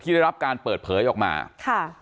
ได้รับการเปิดเผยออกมาค่ะ